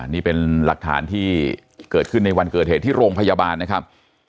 นี่เป็นหลักฐานที่เกิดขึ้นในวันเกิดเหตุที่โรงพยาบาลนะครับ